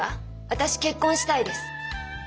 私結婚したいです。